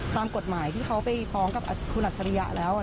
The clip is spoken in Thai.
ตามกฎหมายที่เขาไปฟ้องกับคุณอัจฉริยะแล้ว